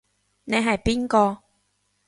你係邊個？